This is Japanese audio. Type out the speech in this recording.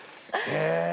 へえ。